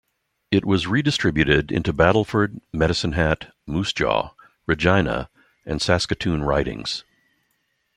It was redistributed into Battleford, Medicine Hat, Moose Jaw, Regina and Saskatoon ridings.